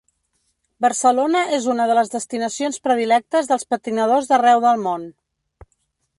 Barcelona és una de les destinacions predilectes dels patinadors d’arreu del món.